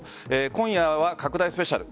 今夜は拡大スペシャル。